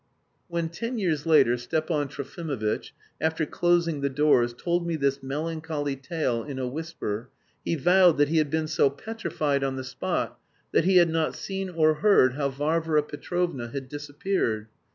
When, ten years later, Stepan Trofimovitch, after closing the doors, told me this melancholy tale in a whisper, he vowed that he had been so petrified on the spot that he had not seen or heard how Varvara Petrovna had disappeared.